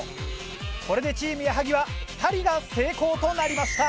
これでチーム矢作は２人が成功となりました。